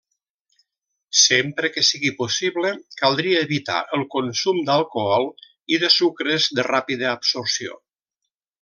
Sempre que sigui possible caldria evitar el consum d'alcohol i els sucres de ràpida absorció.